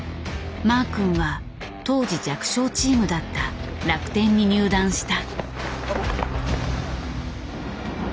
マー君は当時弱小チームだった楽天に入団した。